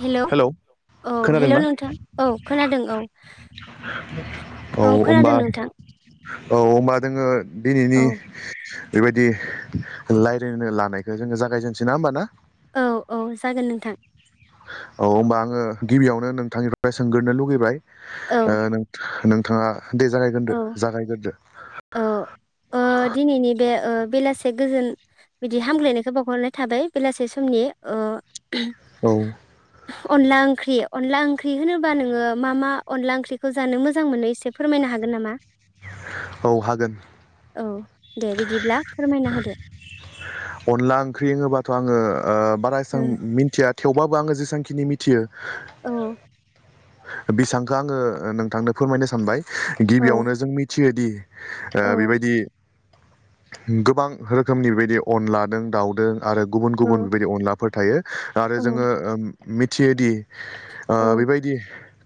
हेल' hello औ hello खोनादोंना नोंथां औ खोनादों औ औ औ खोनादों होनोमबा नोंथां औ होमबा दोङो दिनैनि औ बेबायदि रायलायनो लानायखौ जोङो जागायजेनसै ना होमब ना औ औ जागोन नोंथां औ होमबा आङो गिबियावनो नोंथांनिफ्राय सोंगोरनो लुगैबाय औ ओ नोंथां नों थाङा दे जागायग्रदो औ जागायग्रदो औ ओ दिनैनि बे ओ बेलासे गोजोन बिदि हामग्लायनायखौ बावहरनाय थाबाय बेलासे समनि ओ औ अनला ओंख्रि अनला ओंख्रि होनोबा नोङो मा मा अनला ओंख्रिखौ जानो मोजां मोनो एसे फोरमायनो हागोन नामा? औ हागोन औ दे बिदिब्ला फोरमायना होदो अनला ओंख्रि होनोबाथ' आङो बारा ओ एसबां मिथिया थेवबाबो आङो जेसांखिनि मिथियो औ बिसांखो आङो नोंथांनो फोरमायनो सानबाय औ गिबियावनो जों मिथियोदि ओ औ बेबायदि गोबां रोखोमनि बेबायदि अनलादों दाउदों आरो गुबुन गुबुन बेबायदि अनलाफोर थायो। आरो औ जोङो उम मिथियोदि ओ औ बे बायदि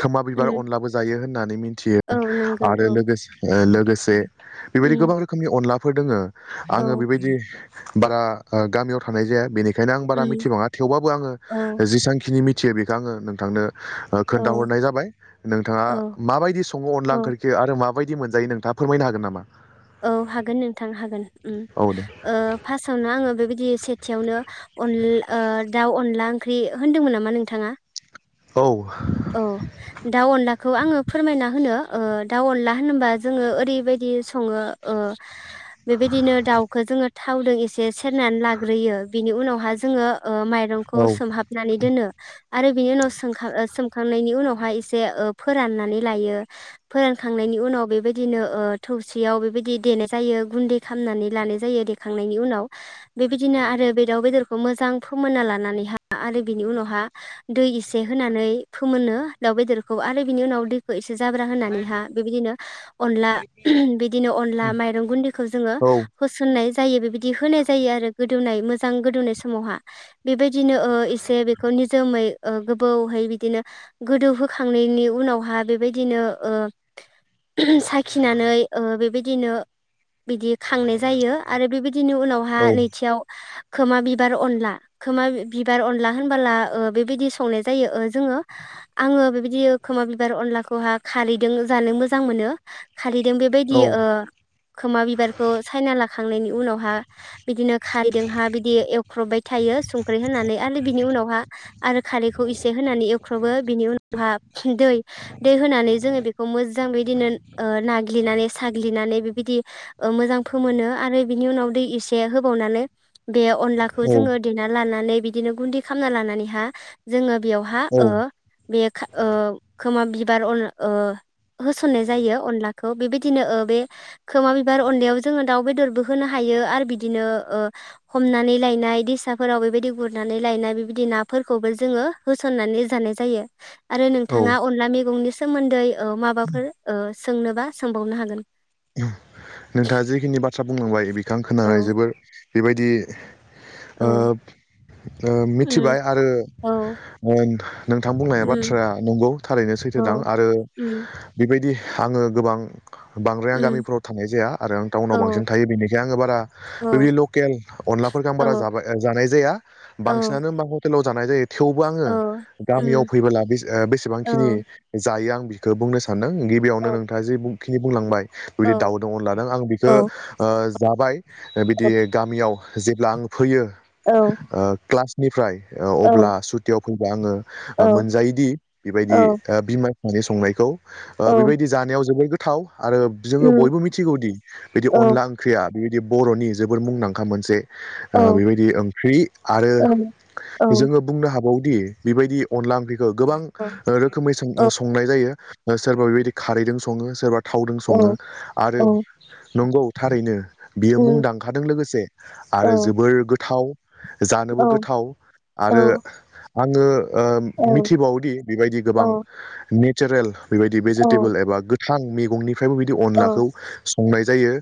खोमा बिबार उम अनलाबो जायो होननानै मिन थियो। औ नंगौ आरो औ लोगोस ओ लोगोसे बेबायदि उम गोबां रोखोमनि अनलाफोर दङो। औ आङो बेबायदि बारा ओ गामियाव थानाय जाया बेनिख खायनो आं बारा उम मिथिबाङा थेवबाबो आङो औ जेसांखिनि मिथियो बेखौ आङो नोंथांनो ओ खोन्था औ हरनाय जाबाय। नोंथाङा औ मा बायदि सङो अनला औ ओंखारखि आरो माब बायदि मोनजायो नोंथा फोरमायनो हागोन नामा? औ हागोन नोंथां हागोन उम। औ दे ओ फासावनो आङो बेबायदि एस थियावनो अन दाउ अनला ओंख्रि होन्दोंमोन नामा नोंथाङा? औ औ दाउ अनलाखौ आङो फोरमायना होनो। ओ दाउ अनला होनोबा जोङो ओरैबायदि सङो। ओ बेबायदिनो दाउखौ जोङो थावदों एसे सेरनानै लाग्रोयो बिनि उनावहा जोङो। ओ माइरंखौ औ सोमहाबनानै दोनो आरो बिनि उनाव सोंखा सों खांनायनि उनावहाय एसे ओ फोराननानै लायो। फोरान खांनायनि उनाव बेबायदिनो ओ थो खौसेयाव बेबायदि देनाय जायो। गुन्दै खालामनानै लानानो जायो देखांनायनि उनाव बेबायदिनो आरो बे दाउ बेदर खौ मोजां फोमोनना लानानैहा आरो बिनि उनावहा दै एसे होनानै फोमोनो दाउ बेदरखौ आरो बिनि उनाव दैखौ एस से जाब्रा होननानैहा बेबायदिनो अनला बिदिनो अनला माइरं गुन्दैखौ जोङो होसननाय जायो। बेबायदि होनाय जायो आरो गोद दौनाय मोजां गोदौनाय समावहा बेबायदिनो ओ एसे बेखौ निजोमै ओ गोबावहै बिदिनो गोदौ होखांनायनि उनावहा बेबायदिनो ओ साखिनानै ओ बे बिदिनो बिदि खांनाय जायो। आरो बेबायदिनो उनावहा औ नैथियाव खोमा बिबार अनला खोमा बिबार अनला होनबोला ओ बेबायदि संनाय जायो ओ जोङो। आङो बेबादि खोमा बिबार अनलाखौहा खारैदों जानो मोजां मोनो। खारैदों बेबायदि औ ओ खोमा बिबारखौ सायना लाखांनायनि उनावहा बिदिनो खारैदों हा बिदि एवख्रबबाय थायो संख्रि होनानै आलो बिनि उनावहा आरो खारैखौ एसे होनानै एव फ्रावबो बिनि उनावहा दै दै होनानै जोङो बेखौ मोजां बिदिनो ओ नाग्लि नानै साग्लिनानै बिबादि मोजां फोमोनो आरो बिनि उनाव दै इसे होबावनानै बे अनलाखौ औ जोङो देना लानानै बिदिनो गुन्दै खालामना लानानैहा जोङो बेयावहा औ ओ बे खा ओ खोमा बिबार अनला ओ होसननाय जायो अनलाखौ। बेबादिनो ओ बे खोमा बिबार अननायाव जोङो दाउ बेदरबो होनो हाय यो आर बिदिनो ओ हमनानै लायनाय दैसाफोराव बेबायदि गुरनानै लायनाय बिबादि ना फोर खौबो जोङो होसननानै जानाय जायो। आरो औ नोंथाङा अनला मेगंनि सोमोन्दै ओ माबाफोर ओ सोंनोबा सोंबावनो हागोन। नोंथाङा जिखिनि बाथ्रा बुंलांबाय बेखो आं खोनानानै औ जोबोर बे बायदि ओ औ ओ उम मिथिबाय। आरो औ ओ नोंथां बुंनाया उम बाथ्रा नंगौ थारैनो सैथो दां औ आरो उम बेबायदि आङो गोबां ब्राय आं उम गामिफ्राव थानायनाय जाया। आरो आं टाउनाव बांसिन औ थायो। बेनिखाय आङो बारा औ बेबायदि लकेल अनलाफोरखौ आं बा बारा औ जाबाय ओ जानाय जाया। औ बांसिनानो माखौ टेलाव जानाय जायो। थेवबो आङो औ गामियाव उम फैबोला बेस ओ औ बेसबांखिनि जायो आं बिखौ बुंनो सान्दों। गिबियावनो औ नोंथाङा जिबुंखिनि बुंलांबाय। बिदि औ दाउ दं अनलादो आं औ बिखो ओ जाबाय ओ बिदि गामियाव जेब्ला आंङो फैयो ओ क्लासनिफ्राय ओ औ अब्ला सुटियाव फैबा आंङो औ मोनजायोदि बेबायदि बिमा बिफानि संनायखौ ओ औ बेबायदि जानायाव जोबोद गो थाव आरो जोङो उम बयबो मिथिगौदि बिदि औ अनला ओंख्रिया बेबायदि बर'नि जोबोर मुंदांखा मोनसे औ ओ बेबायदि ओंख्रि आरो औ जोङो बुंनो हाबावो दि बेबायदि अनला ओंख्रिखौ गोबां रोखोमै सों औ संनाय जायो सोरबा बेबायदि खारैदों संङो सोरबा थावदों संङो। औ आरो औ उम नंगौ थारैनो बियो औ मुंदांखादों लोगोसे औ आरो जोबोर गो जानोबो औ गोथाव। औ आरो आंङो ओ मिथिबावोदि बेबायदि गोबां ने चारेल बेबायदि भेजिटेबोल एबा गोथां मैगंनिफ्रायबो बिदि औ औ अनलाखौ संनाय जायो।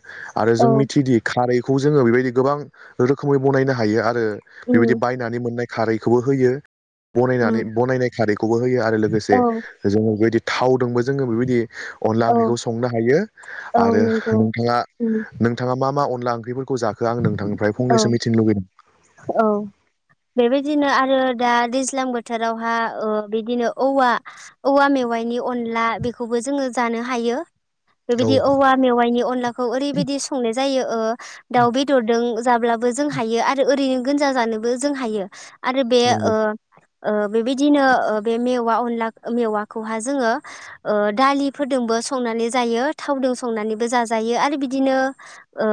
आरो जों मिथिदि खारैखौ जोङो बेबायदि गोबां रोखोमै बनायनो हायो आ रो बेबायदि उम बायनानै मोननाय खारैखौबो होयो। बनायनानै उम बनायनाय खारैखौबो होयो आरो लोगोसे जोङो बेबायदि थावदोंबो जोङो बेबायदि अनला औ औ ओंख्रिखौ संनो हायो औ आरो नंगौ नोंथाङा उम नोंथाङा मा मा अनला ओंख्रिफोरखौ जाखो? आं नोंथां औ औ बेबायदिनो आ आरो दा दैज्लां बोथोरावहा ओ बिदिनो औवा औवा मेवाइनि अनला बेखौबो जोङो जानो हायो। औ बेबायदि औवा मेवाइनि अनलाखौ ओरैबायदि संनाय जायो ओ दाउ बेदरदों जाब्लाबो जों हायो आरो ओरैनो गोनजा जानोबो जों हायो आरो बे ओ नंगौ ओ बेबायदिनो ओ बे मेवा अनला मेवाखौहा जोङो ओ दालिफोरोदों बो संनानै जायो थावदों संनानैबो जाजायो आरो बिदिनो ओ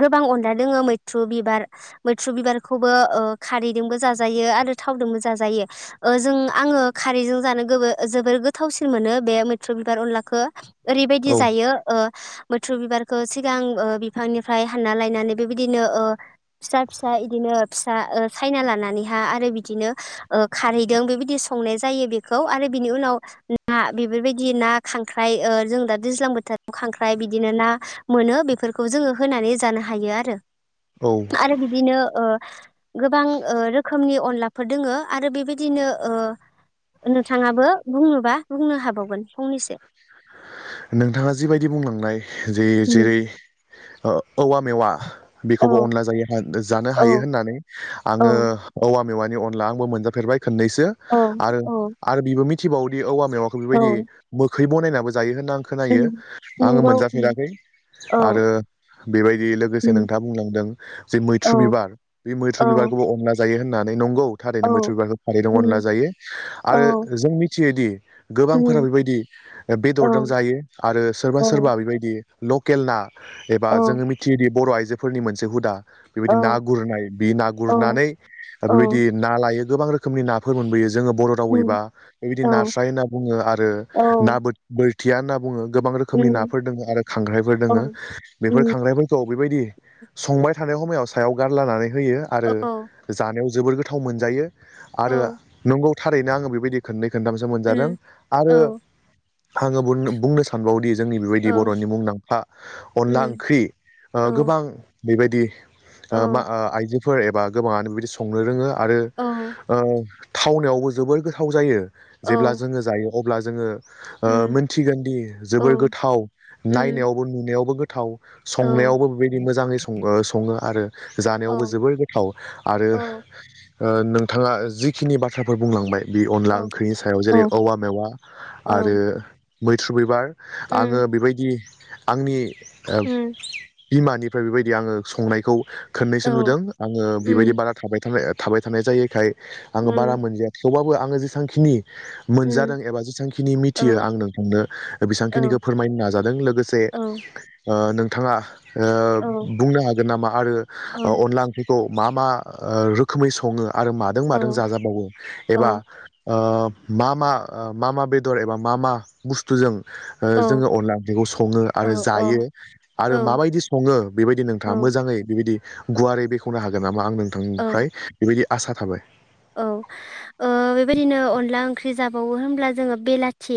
गोबां अनला दोंङो मैथ्रु बिबार मैथ्रु बिबारखौबो ओ खारैदोंबो जाजायो आरो थावजोंबो जाजायो। ओ जों आङो खारैजों जानो गोबो जोबोर गोथावसिन मोनो बे मैथ्रु बिबार अनलाखो। ओरैबायदि औ जायो ओ मैथ्रु बिबारखौ सिगां बिफांनिफ्राय हानना लायनानै बेबायदिनो ओ फिसा फिसा इदिनो फिसा ओ सायना लानानैहा आरो बिदिनो ओ खारैदों बेबायदि संनाय जायो बेखौ आरो बिनि उनाव ना बेफोरबायदि ना खांख्राइ ओ जों दा दैज्लां बोथोर खांख्राइ बिदिनो ना मोनो बेफोरखौ जोङो होनानै जानो हायो आ रो औ आरो बिदिनो ओ गोबां ओ रोखोमनि अनलाफोर दोङो आरो बेबायदिनो ओ नोंथाङाबो बुंनोबा बुंनो हाबावगोन फंनैसो। नोंथाङा जिबायदि बुंलांनाय जे उम जेरै ओ औवा मेवा औ बेखौबो अनला जायो [unintelligible] जानो हायो औ होननानै औ आंङो औवा मेवानि अनला आंबो मोनजाफेबाय खोन्नैसो औ आरो औ आरो बिबो मोनथिबावोदि औवा मेवाखो बिबायदि औ मोखै बनायनाबो जायो होनना आं उम खोनायो आंङो नंगौ उम मोनजाफेराखै औ आरो बेबायदि लोगोसे उम नोंथांङा बुंलांदों जे मैथ्रु औ बिबार बे मैथ्रु औ बिबारखौबो अनलाजों जायो होननानै नंगौ थारैनो मैथ्रु औ बिबारखो थारैनो अनला उम जायो आरो औ जों मिथियोदि गोबांफोरा उम बेबायदि औ बेदरदों जायो आरो सोरबा औ सोरबा बेबायदि लकेल ना एबा जोङो मिथियोदि बर' आइजोफोरनि मोनसे हुदा औ बेबायदि ना गुरनाय बि ना गुरनानै औ बेबायदि ना लायो गोबां रोखोमनि नाफोर मोनबोयो जोङो बर' उम रावैबा बेबायदि औ नास्राय होनना बुंङो आरो ना बोथ बोथिया होनना बुंङो गोबां रोखोमनि उम नाफोर दोंङो आरो खांख्राइफोर औ दोंङो बेफोर उम खांख्रायफोरखौ बेबायदि संबाय थानाय हमायाव सायाव गारलानानै होयो आरो औ जानायाव जोबोर गोथाव मोनजायो। औ आरो नंगौ थारैनो आंङो बेबायदि खोननै खोनथामसो मोनजादों उम औ आरो आंङो बुरनो बुंनो सानबावओदि जोंनि बेबायदि औ बर'नि मुंदांखा अनला उम ओंख्रि ओ औ गोबां बेबायदि औ ओ उम औ उम औ मा आइजोफोर एबा गोबाङानो बिदि संनो रोङो आरो औ थावनायावबो जोबोर गोथाव जायो जेब्ला जोङो जायो अब्ला जोङो ओ मोनथिगोनदि औ जोबोर गोथाव औ नायनायावबो नुनायावबो गोथाव संनायावबो बेबायदि मोजाङै संगो सङो आरो औ जानायावबो उम औ जोबोर गोथाव आरो उम ओ नोंथाङा जिखिनि बाथ्राफोर बुंलांबाय बे अनला ओंख्रिनि सायाव जेरै औवा मेवा आरो मैथ्रु बिबार आङो बेबायदि आंनि ओब बिमानिफ्राय बेबायदि आङो संनायखौ खोननैसो नुदों आङो बेबायदि बारा थाबाय थानाय थाबाय थानाय जायैखाय आङो बारा उम मोनजाया थेवबाबो आङो जेसांखिनि उम मोनजादों एबा जेसां मिथियो आं नोंथांनो औ औ बेसांखिनिखो फोरमायनो नाजादों लोगोसे औ ओ नों नोंथाङा ओ औ बुंनो हागोन नामा आरो औ अ अनला ओंख्रि? खौ मा मा ओ रोखोमै सङो आरो मादों औ मादों जाजाबावो औ एबा ओ मा मा ओ मा मा बेदर एबा मा मा बुस्थुजों ओ जोङो अनला ओंख्रिखौ सङो आरो औ जायो आरो औ माबायदि सङो बेबायदि नोंथाङा मो मोजाङै बेबायदि गुवारै बेखेवनो हागोन नामा आं औ नोंथांनिफ्राय बेबायदि आसा थाबाय? औ ओ बेबायदिनो अनला ओंख्रि जाबावो होमब्ला जोङो बेलाथि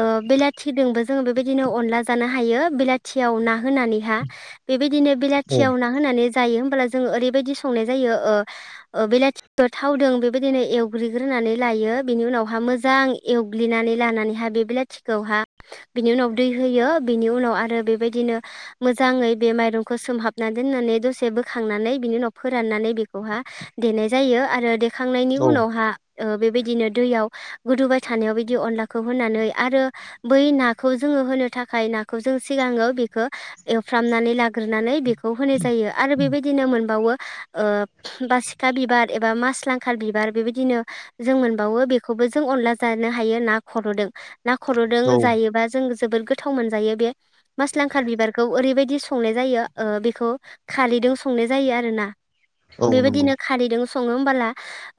ओ बेलाथिदोंबो जोङो बेबायदिनो अनला जानो हायो बेलाथियाव ना होनानै हा बेबायदिनो औ बेलाथियाव ना होनानै जायो फोरा जोङो ओरैबायदि संनाय जायो ओ ओ बिलाथि थत थावदों बेबायदिनो एवग्लिग्रोनानै लायो बिनि उनावहा मोजां एवग्लिनानै लानानैहा बेबा बिलाथिखौहा बिनि उनाव दै होयो बिनि उनाव आरो बेबायदिनो मोजाङै बे माइरंखो सोमहाबना दों दोननानै दसे बोखांनानै बिनि उनाव फोराननानै बेखौहा देनाय जायो आरो देखांनायनि औ उनावहा ओ बेबायदिनो दैयाव गोदौबाय थानायाव बिदि अखौ होनानै आरो बै ना जोड़ो थाखाय नाखौ जों सिगांओ बेखौ एवफ्रामनानै लाग्रोनानै बे खौ होनाय जायो आरो बेबायदिनो मोनबावो ओबासिखा बिबार एबा मास लांखार बिबार बेबायदिनो जों मोनबावो बेखौबो जों अनला जानो हायो ना खर'दो ना ख'दों औ जायोबा जों जोबोर गोथाव मोनजायो बे मासलांखार बिबारखौ औरबायदि संनाय जायो ओ बेखौ दों संनाय जायो आरो ना औ नंगौ बेबायदिनो खारैदों सङो होमबाला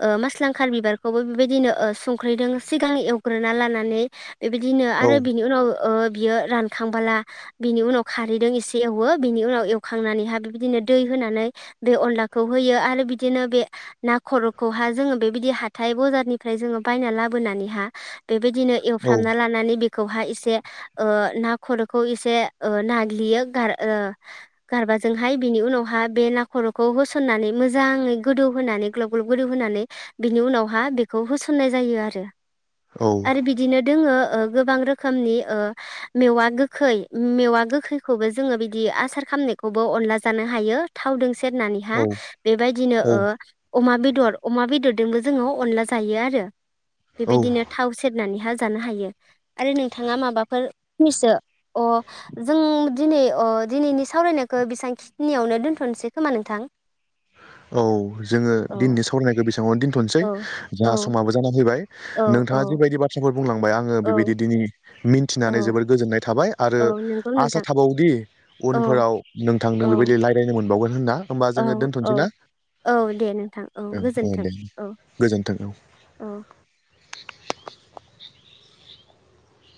ओ मस्लांखार बिबारखौबो बेबायदिनो संख्रैदों सिगां एवग्रोना लानानै नै बेबायदिनो औ आरो बिनि उनाव ओ बियो रानखांबोला बिनि उनाव खारैजों एसे एवो बिनि उनाव एवखांनानैहा बिबायदिनो दै होनानै बे अनलाखौ होयो आरो बिदिनो बे ना खर'खौहा जोङो बेबायदि हाथाय -बजारनिफ्राय जोङो बायना लाबोनानैहा बेबायदिनो औ एवफ्रामना लानानै बे खौहा ऐसे ओ ना खर'खौ ओ ऐसे ओ नाग्लियो गारा ओ गारबा जोंहाय बिनि उनावहााय बे न खर'खौ होसननानै मोजाङै गोदौ होनानै ग्लब ग्लब गोदौ होनानै बिनि उनावहा बेखौ होसननाय जायो आरो आरो औ बिदिनो दोङो ओ गोबां रोखमनि ओ मेवा गोखै मेवा गोखैखौबो जोङो बिदि आसार खाम बेखौबो अनला जानो हायो थावजों सेरनानैहा बेबायदिनो औ ओ अमा बेदर अमा बेदरदोंबो जोङो अनला जायो आरो औ बेबायदिनो थाव सेरनानैहा जानो हायो आरो नोंथाङा माबाफोर फनैसो अ जों दिनै अ दिनैनि सावरायनायखौ बेसबांखिनियावनो दोन्थ'नोसै खोमा नोंथां औ जोङो औ दिननि सावरायनायखौ बेसांआवनो दोनथ'नोसै औ औ जाहा समाबो जाना फैबाय औ औ नोंथाङा जिबायदि बाथ्राफोर बुंलांबाय आङो बेबायदि औ दिनै मिन्थिनानै औ जोबोर गोजोननाय थाबाय आरो औ नंगौ आसा नोंथां थाबावदि औ उनफोराव नोंथांनो औ बेबायदि रायज्लायनो मोनबावगोन होनना होमबा औ जोङो दोनथ'नोसै औ ना औ दे नोंथां औ ओं गोजोन्थों दे औ गोजोन्थों औ